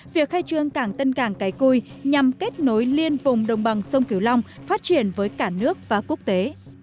việc khai trương cảng tân cảng cái cui nhằm kết nối liên vùng đồng bằng sông kiều long phát triển với cả nước và quốc tế